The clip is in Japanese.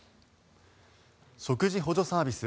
食事補助サービス